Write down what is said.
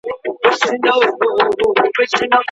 سزا د ستونزو دایمي حل نه دی.